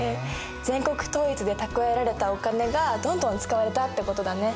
全国統一で蓄えられたお金がどんどん使われたってことだね。